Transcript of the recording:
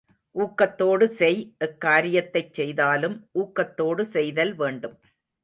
ஊக்கத்தோடு செய் எக் காரியத்தைச் செய்தாலும் ஊக்கத்தோடு செய்தல் வேண்டும்.